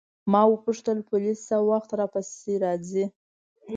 ما وپوښتل پولیس څه وخت راپسې راځي.